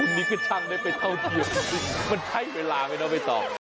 นี่ก็ช่างได้ไปเท่าเทียมมันใช้เวลาไหมเนาะไปต่อ